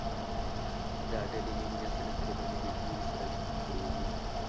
دا ډلې نوی نسل له طالباني لیدلوري سره اشنا کړی دی